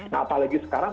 nah apalagi sekarang